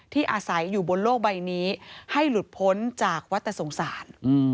อาศัยอยู่บนโลกใบนี้ให้หลุดพ้นจากวัตสงสาร